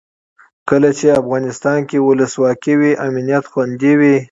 کله چې افغانستان کې ولسواکي وي امنیت خوندي وي.